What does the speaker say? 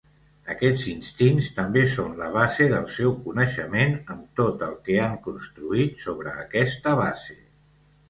Aquests instints també són la base del seu coneixement amb tot el que han construït sobre aquesta base.